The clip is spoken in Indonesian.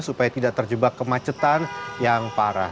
supaya tidak terjebak kemacetan yang parah